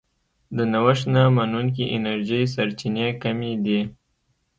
د نوښت نه منونکې انرژۍ سرچینې کمې دي.